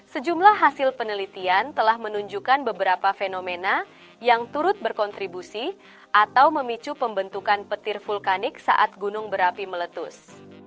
sejumlah hasil penelitian telah menunjukkan beberapa fenomena yang turut berkontribusi atau memicu pembentukan petir vulkanik saat gunung berapi meletus